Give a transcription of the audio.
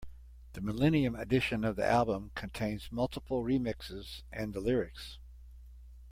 The millennium edition of the album contains multiple remixes and the lyrics.